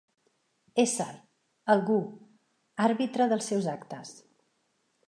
Ésser, algú, àrbitre dels seus actes.